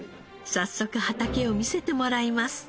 早速畑を見せてもらいます。